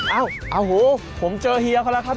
เอาโอ้โฮผมเจอเฮียค่อนละครับ